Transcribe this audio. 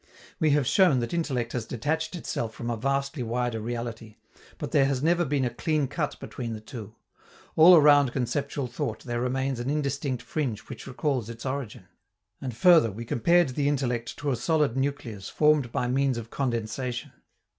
We have shown that intellect has detached itself from a vastly wider reality, but that there has never been a clean cut between the two; all around conceptual thought there remains an indistinct fringe which recalls its origin. And further we compared the intellect to a solid nucleus formed by means of condensation.